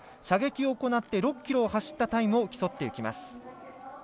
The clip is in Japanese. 射撃を行って６ｋｍを走ったタイムを競っていきます。